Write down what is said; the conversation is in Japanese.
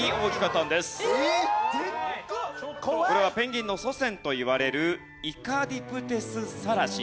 これはペンギンの祖先といわれるイカディプテス・サラシ。